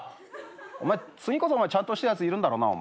お前次こそちゃんとしたやついるんだろうな。